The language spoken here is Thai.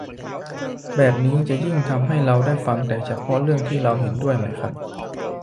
แบบนี้จะยิ่งทำให้เราได้ฟังแต่เฉพาะเรื่องที่เราเห็นด้วยไหมครับ